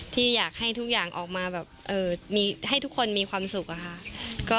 ที่อยากให้ทุกอย่างออกมาแบบให้ทุกคนมีความสุขอะค่ะ